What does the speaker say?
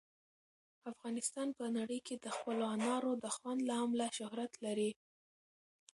افغانستان په نړۍ کې د خپلو انارو د خوند له امله شهرت لري.